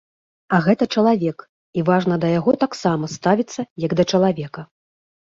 А гэта чалавек, і важна да яго таксама ставіцца як да чалавека.